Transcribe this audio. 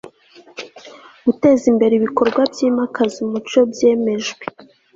guteza imbere ibikorwa byimakaza umuco byemejwe